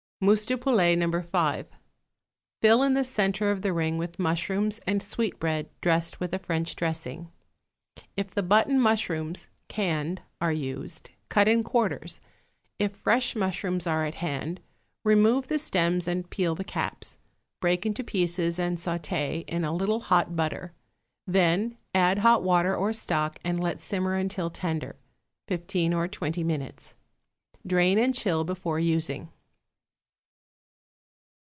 =Mousse de Poulet, No. 5.= Fill in the centre of the ring with mushrooms and sweetbread dressed with a French dressing. If the button mushrooms (canned) are used, cut in quarters; if fresh mushrooms are at hand, remove the stems and peel the caps; break into pieces and sauté in a little hot butter; then add hot water or stock and let simmer until tender (fifteen or twenty minutes). Drain and chill before using.